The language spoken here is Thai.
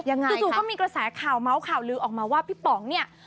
จู่ก็มีกระแสข่าวเมาส์ข่าวลือออกมาว่าพี่ป๋องเนี่ย